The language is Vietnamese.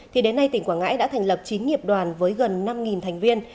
thì đến nay tỉnh quảng ngãi đã thành lập chín nghiệp đoàn với gần năm thành viên